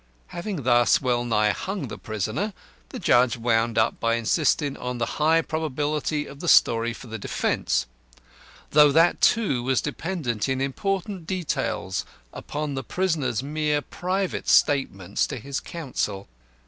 Having thus well nigh hung the prisoner, the judge wound up by insisting on the high probability of the story for the defence, though that, too, was dependent in important details upon the prisoner's mere private statements to his counsel.